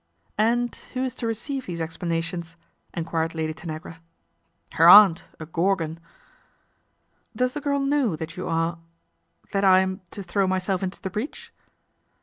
V And who is to receive these explanations ?" enquired Lady Tanagra. " Her aunt, a gorgon." v Does the girl know that you are that I am to throw myself into the breach